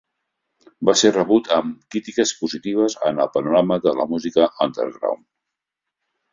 Va ser rebut amb crítiques positives en el panorama de la música underground.